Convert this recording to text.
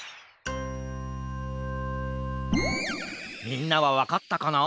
みんなはわかったかな？